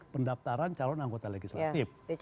pendaftaran calon anggota legislatif